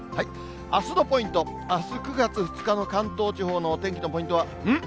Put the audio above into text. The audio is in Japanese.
あすのポイント、あす９月２日の関東地方のお天気のポイントは、うん？